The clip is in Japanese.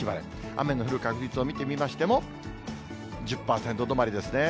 雨の降る確率を見てみましても、１０％止まりですね。